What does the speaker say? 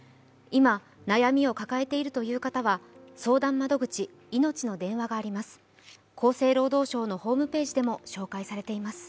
今、悩みを抱えているという方は相談窓口、いのちの電話があります。